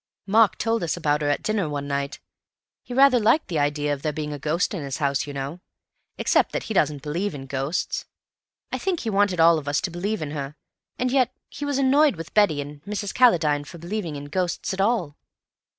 "Mark told us about her at dinner one night. He rather liked the idea of there being a ghost in his house, you know; except that he doesn't believe in ghosts. I think he wanted all of us to believe in her, and yet he was annoyed with Betty and Mrs. Calladine for believing in ghosts at all.